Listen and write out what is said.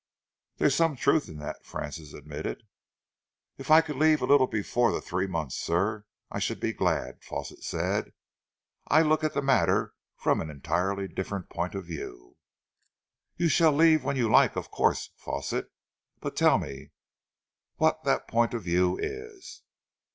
"There's some truth in that," Francis admitted. "If I could leave a little before the three months, sir, I should be glad," Fawsitt said. "I look at the matter from an entirely different point of view." "You shall leave when you like, of course, Fawsitt, but tell me what that point of view is?"